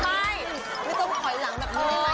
พรุ่งนี้๕สิงหาคมจะเป็นของใคร